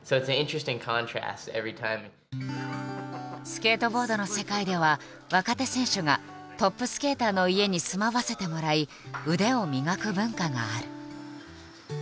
スケートボードの世界では若手選手がトップスケーターの家に住まわせてもらい腕を磨く文化がある。